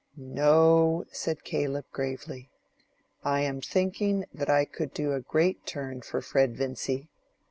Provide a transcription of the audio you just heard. "No," said Caleb, gravely; "I am thinking that I could do a great turn for Fred Vincy.